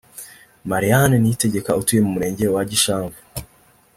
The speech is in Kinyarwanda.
Mariane Niyitegeka utuye mu murenge wa Gishamvu